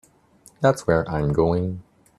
That's where I'm going.